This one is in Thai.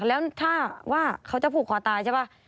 แล้วถ้าว่าเขาจะผูกคอตายใช่ป่ะ